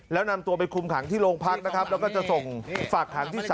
แล้วนำตัวไปคุมขังที่โรงพักนะครับแล้วก็จะส่งฝากขังที่๓